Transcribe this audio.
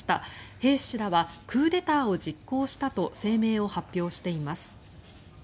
兵士らはクーデターを実行したと声明を発表しています。